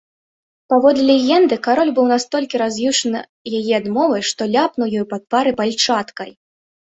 Паводле легенды, кароль быў настолькі раз'юшаны яе адмовай, што ляпнуў ёй па твары пальчаткай.